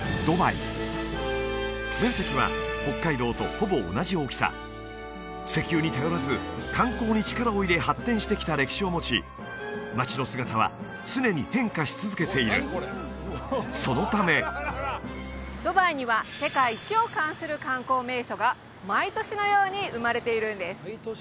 ドバイ面積は北海道とほぼ同じ大きさ石油に頼らず観光に力を入れ発展してきた歴史を持ち街の姿は常に変化し続けているそのためドバイには世界一を冠する観光名所が毎年のように生まれているんです